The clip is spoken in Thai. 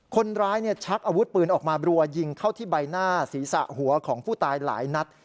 ชักอาวุธปืนออกมาบรัวยิงเข้าที่ใบหน้าศีรษะหัวของผู้ตายหลายนัด